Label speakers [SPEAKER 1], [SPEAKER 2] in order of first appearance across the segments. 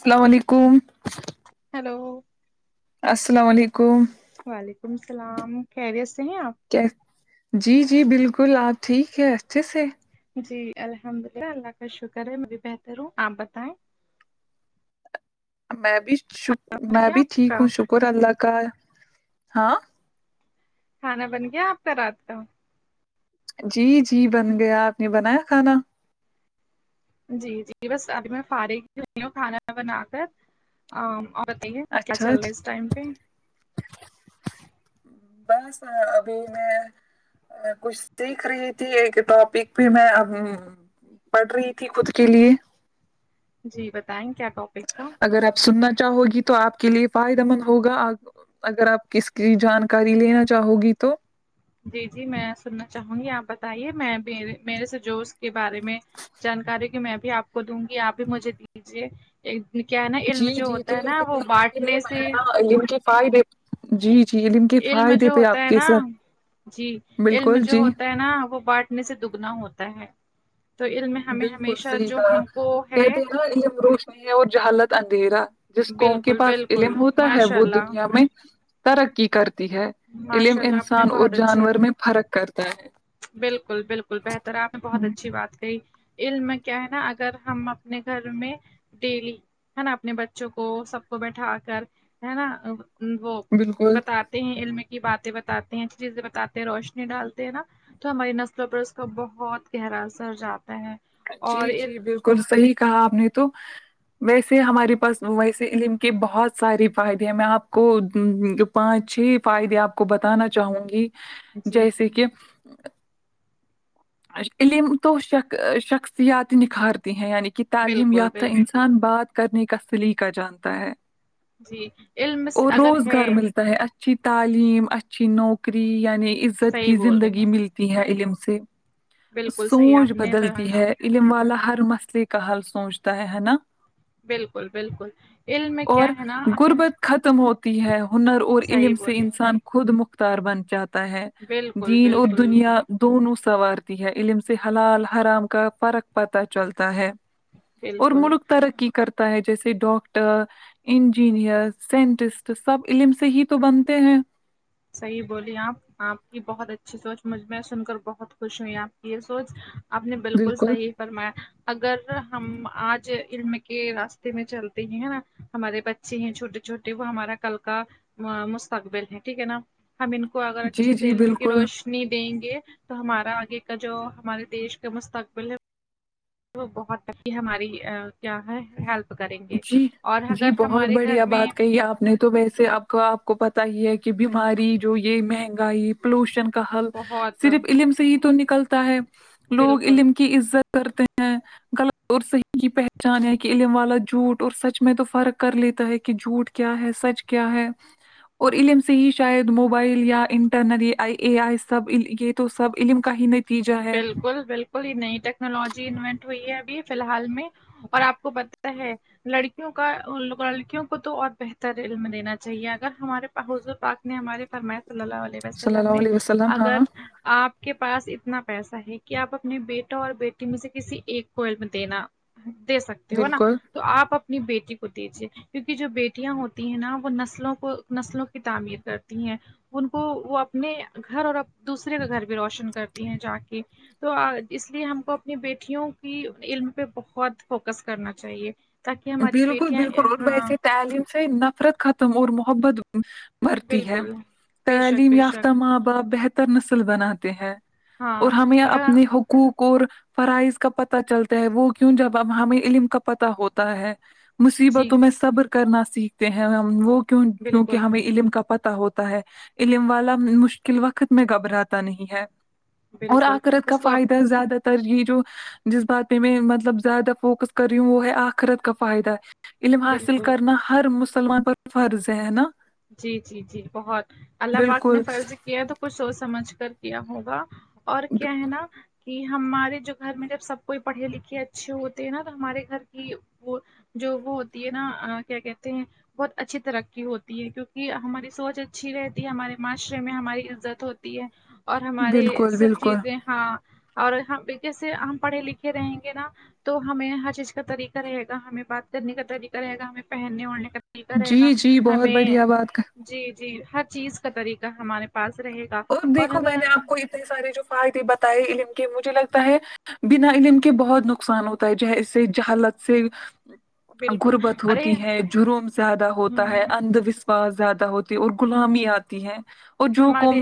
[SPEAKER 1] السلام علیکم
[SPEAKER 2] ہیلو
[SPEAKER 1] السلام علیکم
[SPEAKER 2] وعلیکم السلام خیریت سے ہیں آپ
[SPEAKER 1] جی جی بالکل آپ ٹھیک ہے اچھے سے
[SPEAKER 2] جی الحمد اللہ اللہ کا شکر ہے میں بھی بہتر ہوں آپ بتائیں
[SPEAKER 1] میں بھی شک
[SPEAKER 2] بن
[SPEAKER 1] میں
[SPEAKER 2] گیا
[SPEAKER 1] بھی
[SPEAKER 2] آپ
[SPEAKER 1] ٹھیک
[SPEAKER 2] کا
[SPEAKER 1] ہوں شکر اللہ کا ہاں
[SPEAKER 2] کھانا بن گیا آپ کا رات کا
[SPEAKER 1] جی جی بن گیا آپ نے بنایا کھانا
[SPEAKER 2] جی جی بس ابھی میں فارغ ہی ہوی ہوں کھانا بنا کر بتائیں کیا
[SPEAKER 1] اچھا
[SPEAKER 2] چل رہا ہے
[SPEAKER 1] ٹھیک۔
[SPEAKER 2] اس ٹائم پہ
[SPEAKER 1] بس ابھی میں میں کچھ سیکھ رہی تھی ایک ٹاپک بھی میں اب پڑ رہی تھی خود کے لیے
[SPEAKER 2] جی بتائیں کیا ٹپ
[SPEAKER 1] اگر آپ سننا چاہو گی تو آپ کے لیے فائدہ مند ہوگا اگر آپ کس کی جانکاری لینا چاہو گی تو
[SPEAKER 2] جی جی میں سننا چاہوں گی آپ بتائیے میںے میرے سے جوش کے بارے میں جانکاری ہو کی میں بھی آپ کو دوں گی آپ بھی مجھے دیجیے ایک کیا ہے نہ علم
[SPEAKER 1] جی
[SPEAKER 2] جو
[SPEAKER 1] جی تو
[SPEAKER 2] ہوتا ہے نہ
[SPEAKER 1] فی
[SPEAKER 2] وہ
[SPEAKER 1] الحال کے لیے
[SPEAKER 2] بانٹنے
[SPEAKER 1] میں
[SPEAKER 2] سے
[SPEAKER 1] نا علم کے فائدے جی جی یہ لن کے
[SPEAKER 2] علم
[SPEAKER 1] فائدے
[SPEAKER 2] جو
[SPEAKER 1] پہ
[SPEAKER 2] ہوتا
[SPEAKER 1] آپ
[SPEAKER 2] ہے
[SPEAKER 1] کے
[SPEAKER 2] نا
[SPEAKER 1] سر
[SPEAKER 2] جی علم
[SPEAKER 1] بالکل
[SPEAKER 2] جو
[SPEAKER 1] جی
[SPEAKER 2] ہوتا ہے نہ وہ بانٹنے سے دگنا ہوتا ہے تو علم میں ہمیں
[SPEAKER 1] بالکل
[SPEAKER 2] ہمیشہ
[SPEAKER 1] صحیح
[SPEAKER 2] جو
[SPEAKER 1] کہا
[SPEAKER 2] ہم کو ہے
[SPEAKER 1] [unintelligible] ہے وہ جہالت اندھیرا جس قوم کے
[SPEAKER 2] بالکل
[SPEAKER 1] پاس
[SPEAKER 2] بالکل
[SPEAKER 1] علم ہوتا ہے
[SPEAKER 2] ماشاء
[SPEAKER 1] وہ
[SPEAKER 2] اللہ
[SPEAKER 1] دنیا میں ترقی کرتی ہے علم
[SPEAKER 2] ماشاء اللہ آپ نے
[SPEAKER 1] انسان اور
[SPEAKER 2] بہت اچھے
[SPEAKER 1] جانور میں فرق کرتا ہے
[SPEAKER 2] بالکل بالکل بہتر آپ نے بہت اچھی بات کہی علم میں کیا ہے نا اگر ہم اپنے گھر میں ڈیلی ہے نا اپنے بچوں کو سب کو بیٹھا کر ہے نا وہ
[SPEAKER 1] بالکل
[SPEAKER 2] بتاتے ہیں علم کی باتیں بتاتے ہیں اچھی چیزیں بتاتے ہیں روشنی ڈالتے ہیں نا تو ہماری نسلوں پر اس کا بہت گہرا اثر جاتا ہے
[SPEAKER 1] جی
[SPEAKER 2] اور
[SPEAKER 1] جی
[SPEAKER 2] علم
[SPEAKER 1] بالکل صحیح کہا آپ نے تو ویسے ہمارے پاس ویسے علم کے بہت سارے فائدے ہیں میں آپ کو پانچ چھ فائدے آپ کو بتانا چاہوں گی
[SPEAKER 2] جی
[SPEAKER 1] جیسے کہ علم تو ش شخصیات نکھارتی ہیں یعنی کہ تعلیم
[SPEAKER 2] بالکل
[SPEAKER 1] یافتہ
[SPEAKER 2] بالکل
[SPEAKER 1] انسان بات کرنے کا سلیقہ جانتا ہے
[SPEAKER 2] جی علم سے-
[SPEAKER 1] اور
[SPEAKER 2] اگر ہے
[SPEAKER 1] روزگار ملتا ہے اچھا اچھی تعلیم اچھی نوکری یعنی عزت
[SPEAKER 2] صحیح
[SPEAKER 1] کی
[SPEAKER 2] بول رہی
[SPEAKER 1] زندگی
[SPEAKER 2] ہیں
[SPEAKER 1] ملتی ہے علم سے
[SPEAKER 2] بالکل صحیح
[SPEAKER 1] سوچ
[SPEAKER 2] آپ نے
[SPEAKER 1] بدلتی
[SPEAKER 2] بنایا
[SPEAKER 1] ہے علم والا ہر مسئلے کا حل سوچتا ہے ہے نا
[SPEAKER 2] بالکل بالکل علم میں
[SPEAKER 1] اور
[SPEAKER 2] کیا ہے نا ہم
[SPEAKER 1] غربت ختم ہوتی ہے ہنر اور علم
[SPEAKER 2] صحیح
[SPEAKER 1] سے
[SPEAKER 2] بولے ہیں
[SPEAKER 1] انسان کو خود مختار بن جاتا ہے
[SPEAKER 2] بالکل
[SPEAKER 1] دین اور
[SPEAKER 2] بالکل
[SPEAKER 1] دنیا دونوں سنوارتی ہے علم سے حلال حرام کا فرق پتا چلتا ہے اور
[SPEAKER 2] بالکل
[SPEAKER 1] ملک ترقی کرتا ہے جیسے ڈاکٹر انجینئر سائنٹسٹ سب علم سے ہی تو بنتے ہیں
[SPEAKER 2] صحیح بولی آپ آپ کی بہت اچھی سوچ مجھ میں سن کر بہت خوش ہوئی آپ کی یہ سوچ آپ نے بالکل صحیح مایا اگر ہم آج علم کے راستے میں چلتے ہی نا ہمارے بچ اچے ہیں چھوٹے چھوٹے وہ ہمارا کل کا مستقبل ہے ٹھیک ہے نا ہم ان کو اگر
[SPEAKER 1] جی
[SPEAKER 2] اچھے سے
[SPEAKER 1] جی
[SPEAKER 2] علم کی
[SPEAKER 1] بالکل
[SPEAKER 2] روشنی نہیں دیں گے تو ہمارا آگے کا جو ہمارے دیش کا مستقبل ہے وہ بہت کی ہماری کیا ہے ہیلتھ
[SPEAKER 1] جی جی بہت
[SPEAKER 2] گھر
[SPEAKER 1] بڑھیا
[SPEAKER 2] میں
[SPEAKER 1] بات کہی آپ نے تو ویسے آپ کا آپ کو پتا ہی ہے کہ بیماری جو یہ مہنگائی پولوشن کا حل
[SPEAKER 2] بہت
[SPEAKER 1] صرف علم سے ہی تو نکلتا ہے لوگ
[SPEAKER 2] بالکل
[SPEAKER 1] علم کی عزت کرتے ہیں غلط اور صحیح کی پہچان ہے کہ علم والا جھوٹ اور سچ میں تو فرق کر لیتا ہے کہ جھوٹ کیا ہے سچ کیا ہے اور علم سے ہی شاید موبائل یا انٹرنیٹ یہ آئی اے آئی سب یہ تو سب علم کا ہی نہیں
[SPEAKER 2] بالکل بالکل یہ نئی ٹیکنالوجی انوینٹ ہوئی ہے ابھی فی الحال میں اور آپ کو پتا ہے لڑکیوں کا لڑکیوں کو تو اور بہتر علم دینا چاہیے اگر ہمارے حضور پاک نے ہمارے فرمایا صلی اللہ علیہ
[SPEAKER 1] صلی
[SPEAKER 2] وسلم
[SPEAKER 1] اللہ
[SPEAKER 2] نے
[SPEAKER 1] علیہ وسلم
[SPEAKER 2] اگر
[SPEAKER 1] ہاں
[SPEAKER 2] آپ کے پاس اتنا پیسا ہے کہ آپ اپنے بیٹا اور بیٹی مجھے کسی ایک کو علم میں دینا دے سکتے ہو نا
[SPEAKER 1] بالکل
[SPEAKER 2] تو آپ اپنی بیٹی کو دیجیے کیونکہ جو بیٹیاں ہوتی ہیں نا وہ نسلوں کو نسلوں کی تعمیر کرتی ہیں ان کو وہ اپنے گھر اور دوسرے کا گھر بھی روشن کرتی ہیں جا کے تو اس لیے ہم کو اپنی بیٹیوں کی علم پہ بہت فوکس کرنا چاہیے تاکہ ہماری
[SPEAKER 1] بالکل
[SPEAKER 2] بیٹیاں
[SPEAKER 1] بالکل اور
[SPEAKER 2] ہاں
[SPEAKER 1] ویسے تعلیم سے نفرت ختم اور محبت مرتی ہے
[SPEAKER 2] بالکل بے شک
[SPEAKER 1] تعلیم
[SPEAKER 2] بے شک
[SPEAKER 1] یافتہ ماں باپ بہتر نسل بناتے ہیں
[SPEAKER 2] ہاں
[SPEAKER 1] اور ہمیں
[SPEAKER 2] آ-
[SPEAKER 1] اپنی حقوق اور فرائض کا پتہ چلتا ہے وہ کیوں جب ہمیں علم کا پتا ہوتا ہے
[SPEAKER 2] جی
[SPEAKER 1] مصیبتوں میں صبر کرنا سیکھتے ہیں ہم وہ کیونکہ
[SPEAKER 2] بالکل
[SPEAKER 1] ہمیں علم کا پتا ہوتا ہے علم والا مشکل وقت میں گھبراتا نہیں ہے اور
[SPEAKER 2] بالکل
[SPEAKER 1] آخرت کا
[SPEAKER 2] اس کو آپ
[SPEAKER 1] فائدہ زیادہ تر یہ جو جس بات پہ میں مطلب زیادہ فوکس کر رہی ہوں وہ ہے آخرت کا فائدہ علم حاصل
[SPEAKER 2] بالکل
[SPEAKER 1] کرنا ہر مسلمان پر فرض ہے نا
[SPEAKER 2] جی جی جی بہت اللہ پاک نے
[SPEAKER 1] بالکل
[SPEAKER 2] فرض کیا تو کچھ سوچ سمجھ کر کیا ہوگا اور کیا ہے نا کہ ہمارے جو گھر میں جب سب کوئی پڑھے لکھے اچھے ہوتے ہیں نا تو ہمارے گھر کی وہ جو وہ ہوتی ہے نا کیا کہتے ہیں بہت اچھی ترقی ہو کیونکہ ہماری سوچ اچھی رہتی ہے ہمارے معاشرے میں ہماری عزت ہوتی ہے اور ہمارے
[SPEAKER 1] بالکل
[SPEAKER 2] سب
[SPEAKER 1] بالکل
[SPEAKER 2] چیزیں ہاں اور جیسے ہم پڑھے لکھے رہیں گے نا تو ہمیں ہر چیز کا طریقہ رہے گا ہمیں بات کرنے کا طریقہ رہے گا ہمیں پہننے اڑھنے کا طریقہ رہے
[SPEAKER 1] جی
[SPEAKER 2] گا
[SPEAKER 1] جی بہت
[SPEAKER 2] ہمیں
[SPEAKER 1] بڑھیا بات کا
[SPEAKER 2] جی جی ہر چیز کا طریقہ ہمارے پاس رہے گا
[SPEAKER 1] اور دیکھو میں نے آپ کو اتنے سارے جو فائدے بتائے علم کے مجھے لگتا ہے بنا علم کے بہت نقصان ہوتا ہے جیسے جہلت سے
[SPEAKER 2] بالکل
[SPEAKER 1] غربت ہوتی
[SPEAKER 2] ارے
[SPEAKER 1] ہے جروم زیادہ ہوتا
[SPEAKER 2] ہم،
[SPEAKER 1] ہے اندھوش زیادہ ہوتی اور گولامی آتی ہے اور جو
[SPEAKER 2] ہمارے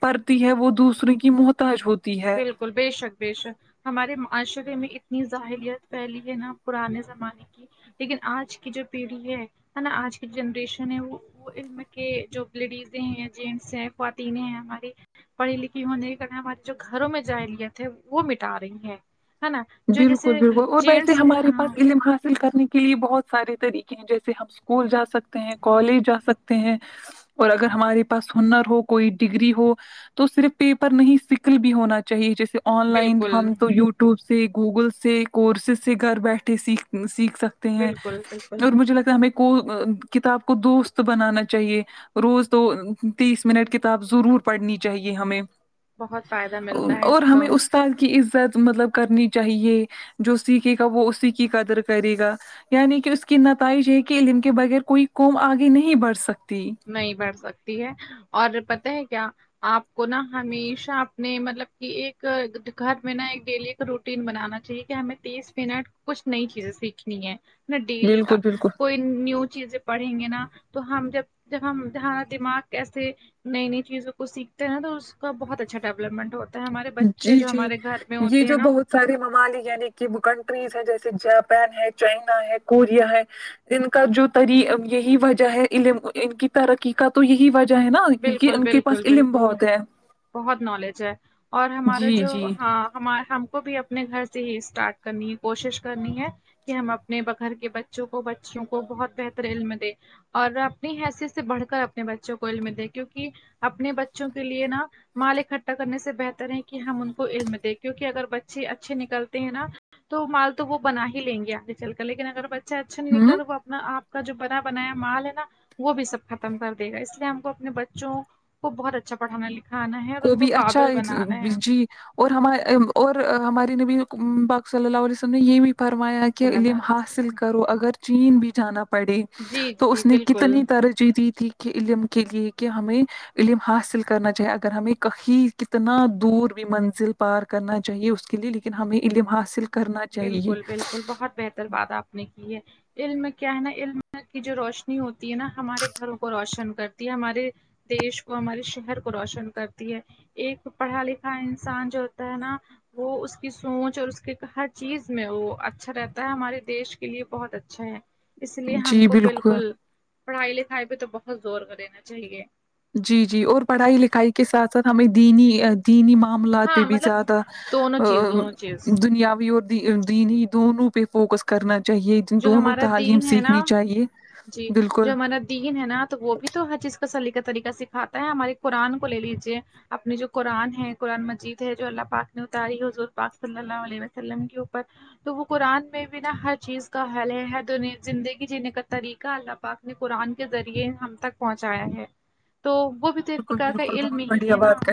[SPEAKER 1] پڑتی ہے وہ دوسروں کی محتاج ہوتی ہے
[SPEAKER 2] بالکل بے شک بیشک ہمارے معاشرے میں اتنی ظاہلیت پھیلی ہے نا پرانے زمانے کی لیکن آج کی جو پیڑھی ہے ہے نا آج کی جنریشن ہے وہ وہ علم کے جو لیڈیز ہیں جینٹس ہیں خواتینیں ہیں ہماری پڑھی لکھی ہونے کرنا ہمارے جو گھروں میں جائلیت ہے وہ مٹا رہی ہے نا جو
[SPEAKER 1] بالکل
[SPEAKER 2] جیسے
[SPEAKER 1] بالکل اور ویسے
[SPEAKER 2] جینٹس
[SPEAKER 1] ہمارے پاس علم حاصل کرنے کے لیے بہت سارے طریقے ہیں جیسے ہم اسکول جا سک سکتے ہیں کالج جا سکتے ہیں اور اگر ہمارے پاس ہنر ہو کوئی ڈگری ہو تو صرف پیپر نہیں اسکل بھی ہونا چاہیے جیسے آن لائن
[SPEAKER 2] بالکل
[SPEAKER 1] ہم تو یوٹیوب سے گوگل سے کورسز سے گھر بیٹھے سیکھ سیکھ سک تے ہیں
[SPEAKER 2] بالکل بالکل
[SPEAKER 1] اور مجھے لگتا ہے ہمیں کو کتاب کو دوست بنانا چاہیے روز تو تیس منٹ کتاب ضرور پڑھنی چاہیے ہمیں
[SPEAKER 2] بہت فائدہ ملتا ہے اس
[SPEAKER 1] اور ہمیں
[SPEAKER 2] کا
[SPEAKER 1] استاد کی عزت مطلب کرنی چاہیے جو سیکھے گا وہ اسی کی قدر کرے گا یعنی کہ اس کی نتائج یہ کہ علم کے بغیر کوئی قوم آگے نہیں بڑھ سکتی
[SPEAKER 2] نہیں بڑھ سکتی ہے اور پتا ہے کیا آپ کو نا ہمیشہ اپنے مطلب کہ ایک گھر میں نا ایک ڈیلی روٹین بنانا چاہیے کہ ہمیں تیس منٹ کچھ نئی چیزیں سیکھنی ہے نا ڈیلی کا
[SPEAKER 1] بالکل بالکل
[SPEAKER 2] کوئی نیو چیزیں پڑھیں گے نا تو ہم جب جب ہم جہا دماغ کیسے نئی نئی چیزوں کو سیکھتے ن تو اس کا بہت اچھا ڈیولپمنٹ ہوتا ہمارے بچے
[SPEAKER 1] جی
[SPEAKER 2] جو
[SPEAKER 1] جی
[SPEAKER 2] ہمارے گھر میں
[SPEAKER 1] یہ
[SPEAKER 2] ہوتے ہیں
[SPEAKER 1] جو
[SPEAKER 2] نا
[SPEAKER 1] بہت سارے ممالک یعنی کہ کنٹریز ہے جیسے جاپان ہے چائنا ہے کوریا ہے ان کا جو تری یہی وجہ ہے علم ان کی تر قی کا تو یہی وجہ ہے نا کیوکہ
[SPEAKER 2] بالکل
[SPEAKER 1] ان کے پاس
[SPEAKER 2] بالکل
[SPEAKER 1] علم
[SPEAKER 2] بالکل
[SPEAKER 1] بہت ہے
[SPEAKER 2] بہت نالج ہے اور ہمارا
[SPEAKER 1] جی
[SPEAKER 2] جو
[SPEAKER 1] جی
[SPEAKER 2] ہاں ہما ہم کو بھی اب اپنے گھر سے ہی اسٹارٹ کرنی ہے کوشش کرنی ہے کہ ہم اپنے گھر کے بچوں کو بچیوں کو بہت بہتر علم دے اور اپنی حیثیت سے بڑھ کر اپنے بچوں کو علم دے کیونکہ اپنے بچوں کے لیے نا مال اکٹھا کرنے سے بہتر ہے کہ ہم ان کو علم دیں کیونکہ اگر بچے اچھے نکلتے ہیں نا تو مال تو وہ بنا ہی لیں گے آگے چل کر لیکن اگر ب چا اچھا نہیں
[SPEAKER 1] ہوں
[SPEAKER 2] نکلا تو وہ اپنا آپ کا جو بنا بنایا مال ہے نا وہ بھی سب ختم کر دے گا اس لیے ہم کو اپنے بچوں کو بہت اچھا پڑھانا لکھانا ہے اور ان کو
[SPEAKER 1] بھی اچھا
[SPEAKER 2] قابل بنانا ہے
[SPEAKER 1] جی اور ہما اور ہمارے نبی باک صلی اللہ علیہ وسلم نے یہ بھی پھرمایا کہ
[SPEAKER 2] صلی
[SPEAKER 1] علم
[SPEAKER 2] اللہ علیہ
[SPEAKER 1] حاصل
[SPEAKER 2] وسلم
[SPEAKER 1] کرو اگر چین بھی جانا پڑے
[SPEAKER 2] جی
[SPEAKER 1] تو اس
[SPEAKER 2] جی
[SPEAKER 1] نے
[SPEAKER 2] بالکل
[SPEAKER 1] کتنی ترجیح دی تھی کہ علم کے لیے کہ ہمیں علم حاصل کرنا چاہیے ہمیں کہیں کتنا دور بھی منزل پار کرنا چاہیے اس کے لیئے لیکن ہمیں علم حاصل کر
[SPEAKER 2] بالکل بالکل بہت بہتر بات آپ نے کی ہے علم کیا ہے نا علم کی جو روشنی ہوتی ہے نا ہمارے گھروں کو روشن کرتی ہے ہمارے دیش کو ہمارے شہر کو روشن کرتی ہے ایک پڑھا لکھا انسان جو ہوتا ہے نا وہ اس کی سوچ اور اس کے ہر چیز میں وہ اچھا رہتا ہے ہمارے دیش کے لیے بہت اچھا ہے اس لیے ہم کو بالکل پڑھائی لکھائی بھی تو بہت زور کر دینا چاہیے
[SPEAKER 1] جی جی اور پڑھائی لکھائی کے ساتھ ساتھ ہمیں دینی دینی معاملات پہ
[SPEAKER 2] ہاں
[SPEAKER 1] بھی
[SPEAKER 2] مطلب
[SPEAKER 1] زیادہ
[SPEAKER 2] دونوں چیز
[SPEAKER 1] ا
[SPEAKER 2] دونوں چیز
[SPEAKER 1] دنیاوی اور دینی دونوں پہ فوکس کرنا چاہیے
[SPEAKER 2] جو
[SPEAKER 1] دونوں
[SPEAKER 2] ہمارا
[SPEAKER 1] تعلیم
[SPEAKER 2] دین ہے
[SPEAKER 1] سیکھنی
[SPEAKER 2] نا
[SPEAKER 1] چاہیے
[SPEAKER 2] جی
[SPEAKER 1] بالکل
[SPEAKER 2] جو ہمارا دین ہے نا تو وہ بھی تو ہر چیز کاسلیقہ طریقہ سکھاتا ہے ہماری قرآن کو لے لیجیے اپنی جو قرآن ہے قرآن مجید ہے جو اللہ پاک نے اتاری حضور پاک صلی اللہ علیہ وسلم کے اوپر تو وہ قرآن میں بھی نا ہر چیز کا حل ہے زندگی جینے کا طریقہ اللہ پاک نے قرآن کے ذریعے ہم تک پہنچایا ہے تو وہ بھی تو ایک
[SPEAKER 1] بالکل
[SPEAKER 2] پرکار کا
[SPEAKER 1] بالکل
[SPEAKER 2] علم
[SPEAKER 1] بہت
[SPEAKER 2] ہی
[SPEAKER 1] بڑھیا
[SPEAKER 2] ہے نا
[SPEAKER 1] بات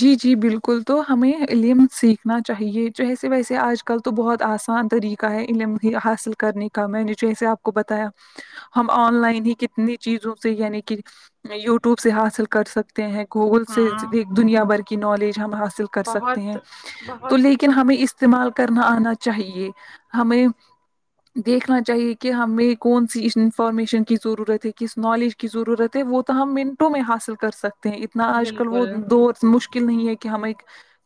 [SPEAKER 1] جی جی بالکل تو ہمیں علم سک نا چاہیے جیسے ویسے آج کل تو بہت آسان طریقہ ہے علم ہی حاصل کرنے کا میں جیسے آپ کو بتایا ہم آن لائن ہی کتنی چیزوں سے یعنی کہ یوٹیوب سے حاصل کر سکتے ہیں گوگل سے
[SPEAKER 2] ہاں
[SPEAKER 1] دنیا بھر کی نالج ہم حاصل کر سکتے ہیں
[SPEAKER 2] بہت
[SPEAKER 1] تو
[SPEAKER 2] بہت
[SPEAKER 1] لیکن ہمیں استعمال کرنا آنا چاہیے ہمیں دیکھنا چاہیے کہ ہمیں کون سی اس انفارمیشن کی ضرورت ہے کس نالج کی ضرورت وہ تو ہم منٹوں میں حاصل کر سکتے ہیں اتنا آج کل وہ
[SPEAKER 2] بالکل
[SPEAKER 1] دور مشکل مشکل نہیں ہے کہ ہمیں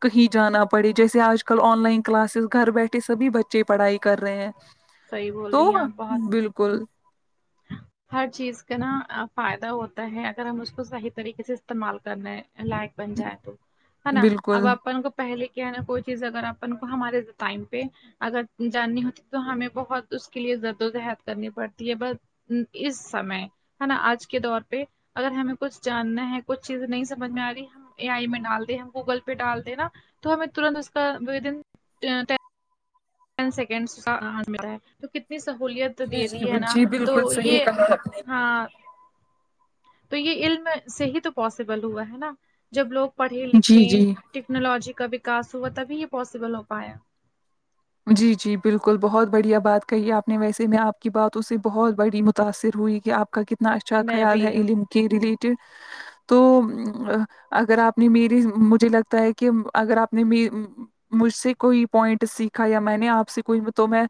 [SPEAKER 1] کہیں جانا پڑے جیسے آج کل آن لائن کلاسز گھر بیٹھے سبھی بچ چے پڑھائی کر رہے ہیں
[SPEAKER 2] صحیح بول
[SPEAKER 1] تو
[SPEAKER 2] رہی ہیں آپ بہت
[SPEAKER 1] بالکل
[SPEAKER 2] ہر چیز کا نا فائدہ ہوتا ہے اگر ہم اس کو صحیح طریقے سے استعمال کرنے لائک بن جائے تو ہے نا اب
[SPEAKER 1] بالکل
[SPEAKER 2] اپن کو پہلے کیا ہے نا کوئی چیز اگر اپن کو ہمارے ٹائم پہ اگر جاننی ہوتی تو ہمیں بہت اس کے لیے جادو جہاد کرنی پڑتی ہے بس اس سمے ہے نا آج کے دور پہ اگر ہمیں کچھ جاننا ہے کچھ چیزیں نہیں سمجھ میں آ رہی اے آئی میں ڈال د ہم گوگل پے ڈال دے نا تو ہمیں ترنت اس کا ٹن سیکنڈ کا م ہے تو کتنی سہولت تو دے
[SPEAKER 1] جی
[SPEAKER 2] دی ہے
[SPEAKER 1] جی
[SPEAKER 2] نا
[SPEAKER 1] جی
[SPEAKER 2] تو
[SPEAKER 1] بالکل
[SPEAKER 2] یہ
[SPEAKER 1] صحیح کہا آپ
[SPEAKER 2] ہاں تو یہ علم سے ہی تو پاسبل ہوا ہے نا جب لوگ پڑھے
[SPEAKER 1] نے جی
[SPEAKER 2] لکھے
[SPEAKER 1] جی
[SPEAKER 2] ٹیکنالوجی کا وکس ہوا تبھی یہ پاسبل ہو پایا
[SPEAKER 1] جی جی بالکل بہت بڑھیا بات کہی آپ نے ویسے میں آپ کی باتوں سے بہت بڑی متاثر ہوئی کہ آپ کا کتنا اچھا
[SPEAKER 2] میں
[SPEAKER 1] خیال
[SPEAKER 2] بھی
[SPEAKER 1] ہے علم کے ریلیٹڈ تو اگر آپ نے میری مجھے لگتا ہے کہ اگر آپ نے مجھ سے کوئی پوائنٹ سیکھا یا میں نے آپ سے کوئی تو میں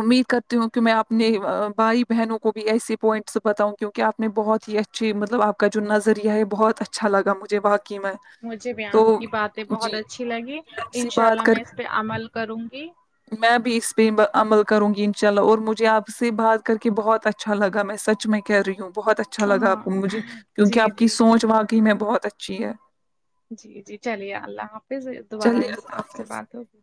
[SPEAKER 1] امید کرتی ہوں کہ میں اپنے بھائی بہنوں کو بھی ایسے پوائنٹس بتاؤں کیونکہ آپ نے بہت ہی اچھا اچ مطلب آپ کا جو نظریہ ہے بہت اچھا لگا مجھے باقی میں
[SPEAKER 2] مجھے بھی
[SPEAKER 1] تو
[SPEAKER 2] آپ کی باتیں بہت
[SPEAKER 1] جی
[SPEAKER 2] اچھی لگی
[SPEAKER 1] آپ سے
[SPEAKER 2] انشاء
[SPEAKER 1] بات
[SPEAKER 2] اللہ
[SPEAKER 1] کر
[SPEAKER 2] میں اس پہ عمل کروں گی
[SPEAKER 1] میں بھی اس پہ عمل کروں گی انشاء اللہ اور مجھے آپ سے بات کر کے بہت اچھا اچھا لگا میں سچ میں کہہ رہی ہوں بہت اچھا اچھا لگا
[SPEAKER 2] ہاں
[SPEAKER 1] آپ کو مجھے
[SPEAKER 2] جی
[SPEAKER 1] کیونکہ آپ کی
[SPEAKER 2] جی
[SPEAKER 1] سوچ واقعی میں بہت اچھی ہے
[SPEAKER 2] جی جی چلیے اللہ حافظ دوبار آ
[SPEAKER 1] چلیے اللہ
[SPEAKER 2] آپ سے
[SPEAKER 1] حافظ
[SPEAKER 2] بات ہوگی